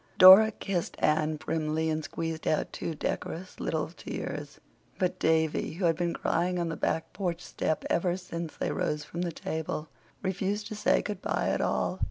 Dora kissed Anne primly and squeezed out two decorous little tears; but Davy, who had been crying on the back porch step ever since they rose from the table, refused to say good bye at all.